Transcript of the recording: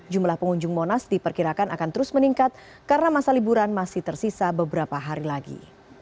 jumlah pengunjung monas diperkirakan akan terus meningkat karena masa liburan masih tersisa beberapa hari lagi